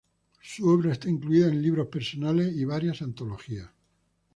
Su obra está incluida en libros personales y varias antologías.